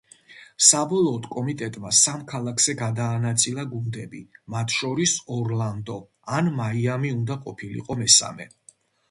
საბოლოოდ კომიტეტმა სამ ქალაქზე გადაანაწილა გუნდები, მათ შორის ორლანდო ან მაიამი უნდა ყოფილიყო მესამე.